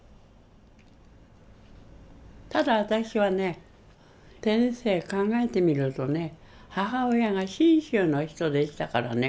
ただ私はね天性考えてみるとね母親が信州の人でしたからね